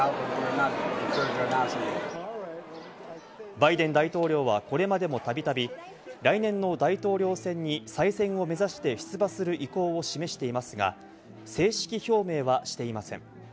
バイデン大統領はこれまでもたびたび来年の大統領選に再選を目指して出馬する意向を示していますが、正式表明はしていません。